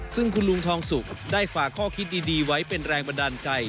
ซึ่งคุณลุงทองสุกได้ฝากข้อคิดดีไว้เป็นแรงบันดาลใจ